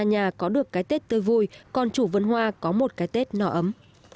nhiều chủ vân hoa có một cái tết nở ấm